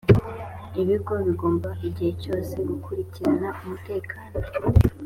ibigo bigomba igihe cyose gukurikirana umutekano